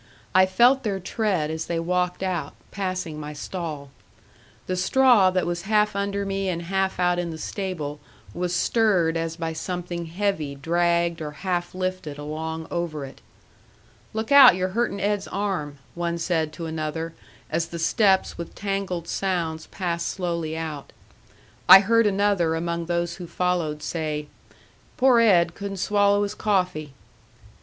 I felt their tread as they walked out, passing my stall. The straw that was half under me and half out in the stable was stirred as by something heavy dragged or half lifted along over it. "Look out, you're hurting Ed's arm," one said to another, as the steps with tangled sounds passed slowly out. I heard another among those who followed say, "Poor Ed couldn't swallow his coffee."